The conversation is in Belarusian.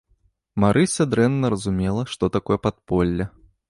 Марыся дрэнна разумела, што такое падполле.